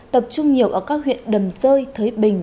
tập trung nhiều ở các huyện đầm rơi thới bình